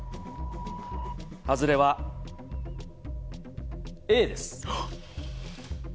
外れはＡです。